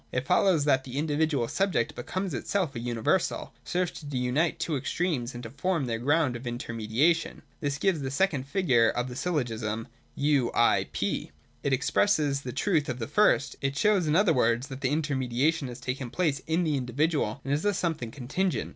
It follows that the individual subject, becoming itself a universal, serves to unite the two extremes, and to form their ground of intermediation. This gives the second i86, 187.] SYLLOGISTIC FIGURES. 321 figure of the syllogism, (2) U — I — P. It expresses the truth of the first; it shows in other words that the inter mediation has taken place in the individual, and is thus something contingent.